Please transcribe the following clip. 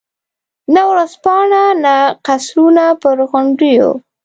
نه ورځپاڼه، نه قصرونه پر غونډیو.